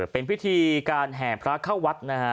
เป็นพิธีการแห่พระเข้าวัดนะฮะ